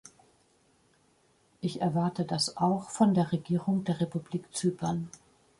Ich erwarte das auch von der Regierung der Republik Zypern.